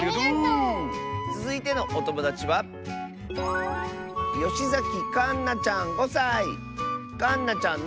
つづいてのおともだちはかんなちゃんの。